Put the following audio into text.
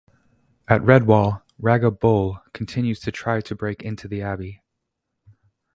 At Redwall, Raga Bol continues to try to break into the Abbey.